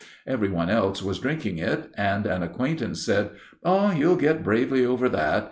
Every one else was drinking it, and an acquaintance said, "Oh, you'll get bravely over that.